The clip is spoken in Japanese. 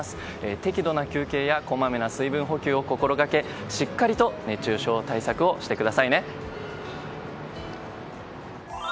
適度な休憩やこまめな水分補給を心掛けしっかりと熱中症対策をしてくださいね。